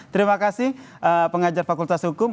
terima kasih pengajar fakultas hukum